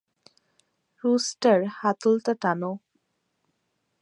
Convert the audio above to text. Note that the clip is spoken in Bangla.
রুস্টার, হাতলটা টানো।